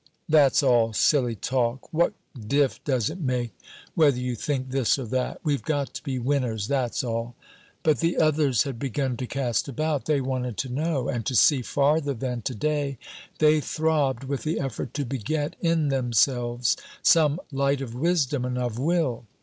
"That's all silly talk. What diff does it make whether you think this or that? We've got to be winners, that's all." But the others had begun to cast about. They wanted to know and to see farther than to day. They throbbed with the effort to beget in themselves some light of wisdom and of will.